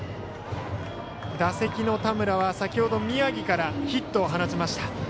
打席の田村は先ほど宮城からヒットを放ちました。